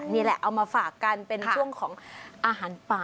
นี่แหละเอามาฝากกันเป็นช่วงของอาหารป่า